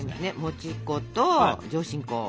もち粉と上新粉。